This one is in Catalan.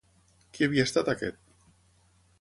Qui havia estat aquest?